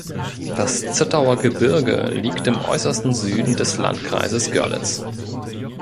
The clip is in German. Das Zittauer Gebirge liegt im äußersten Süden des Landkreises Görlitz.